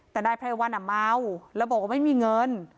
แต่นายไพรวันเมาแล้วบอกว่าไม่มีเงิน